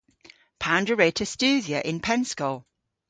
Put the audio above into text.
Pandr'a wre'ta studhya y'n pennskol?